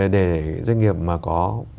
để doanh nghiệp mà có bảy mươi